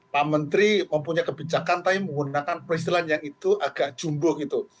pak menteri mempunyai kebijakan tapi menggunakan peristiwa yang itu agak jumbo gitu